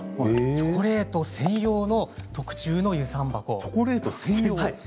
チョコレート専用の遊山箱。